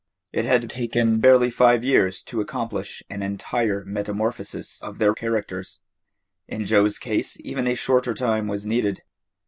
It had taken barely five years to accomplish an entire metamorphosis of their characters. In Joe's case even a shorter time was needed.